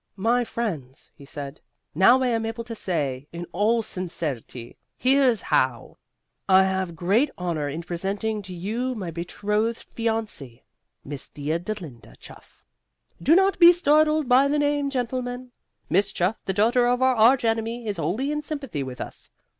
"My friends," he said, "now I am able to say, in all sincerity, Here's How. I have great honor in presenting to you my betrothed fiancee, Miss Theodolinda Chuff. Do not be startled by the name, gentlemen. Miss Chuff, the daughter of our arch enemy, is wholly in sympathy with us.